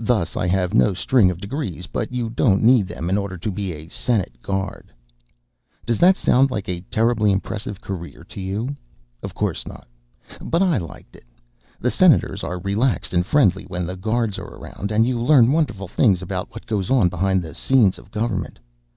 Thus I have no string of degrees, but you don't need them in order to be a Senate guard. Does that sound like a terribly impressive career to you? Of course not; but I liked it. The Senators are relaxed and friendly when the guards are around, and you learn wonderful things about what goes on behind the scenes of government.